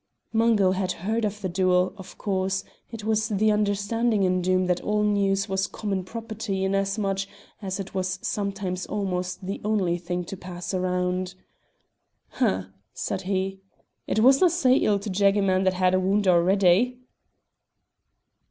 Mungo had heard of the duel, of course; it was the understanding in Doom that all news was common property inasmuch as it was sometimes almost the only thing to pass round. "Humph!" said he. "It wasna' sae ill to jag a man that had a wound already."